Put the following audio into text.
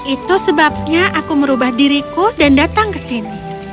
itu sebabnya aku merubah diriku dan datang ke sini